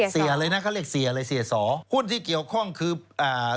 เสียเลยนะเขาเรียกเสียเลยเสียสอหุ้นที่เกี่ยวข้องคืออ่า